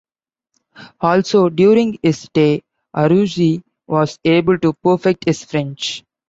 Also, during his stay, Arsuzi was able to perfect his French.